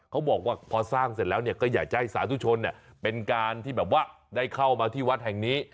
เขาบอกว่าพอสร้างเสร็จแล้วก็อยากจะให้สาธุชนเป็นการที่แบบว่าได้เข้ามาที่วัดแห่งนี้